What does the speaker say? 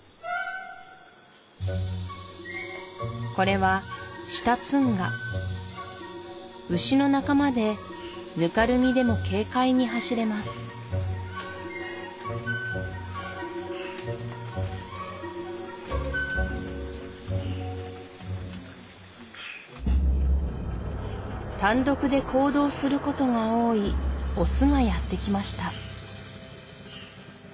これはシタツンガ牛の仲間でぬかるみでも軽快に走れます単独で行動することが多いオスがやってきました